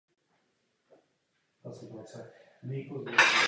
Až do druhé světové války zde bylo rozsáhlé židovské město.